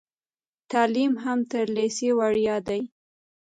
تعلیم هم تر لیسې وړیا دی.